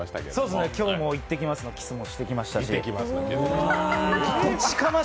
今日もいってきますのキスもしてきましたし。